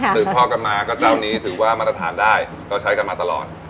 พ่อกันมาก็เจ้านี้ถือว่ามาตรฐานได้ก็ใช้กันมาตลอด